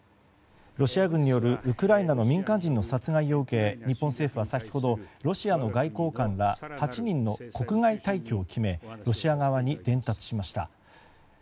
ロシア軍によるウクライナの民間人の殺害を受け日本政府は先ほどロシアの外交官ら８人の国外退去を決めロシア側に伝達しました。